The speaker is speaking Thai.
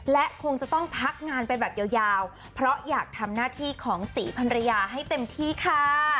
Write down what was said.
และคงจะต้องพักงานไปแบบยาวเพราะอยากทำหน้าที่ของศรีพันรยาให้เต็มที่ค่ะ